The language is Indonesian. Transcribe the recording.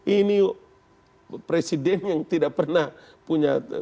ini presiden yang tidak pernah punya